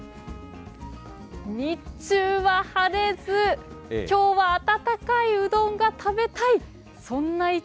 日中は晴れず、きょうは温かいうどんが食べたい！